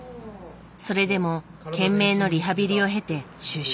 それでも懸命のリハビリを経て就職。